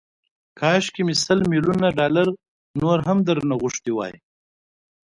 کاشکي مې سل ميليونه ډالر نور هم درنه غوښتي وای